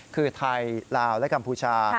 คือไทยลาวและกัมพูชา